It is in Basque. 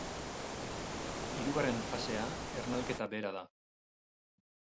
Hirugarren fasea ernalketa bera da.